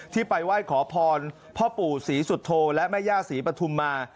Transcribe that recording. ไปไหว้ขอพรพ่อปู่ศรีสุโธและแม่ย่าศรีปฐุมมา